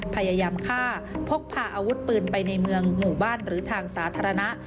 พยายามฆ่าพกพาอาวุธปืนไปในเมืองหมู่บ้านหรือทางสาธารณะ